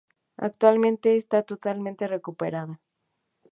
Actualmente está totalmente recuperada.